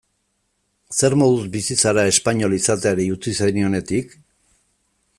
Zer moduz bizi zara espainol izateari utzi zenionetik?